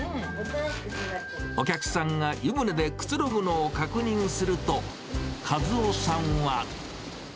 お客さんが湯船でくつろぐのを確認すると、和男さんは。